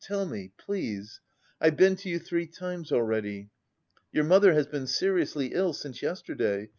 Tell me, please. I've been to you three times already. Your mother has been seriously ill since yesterday.